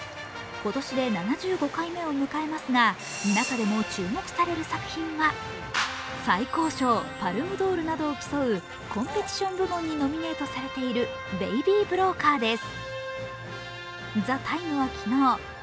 今年で７５回目を迎えますが中でも注目される作品は最高賞パルムドールなどを競うコンペティション部門にノミネートされている「ベイビー・ブローカー」です。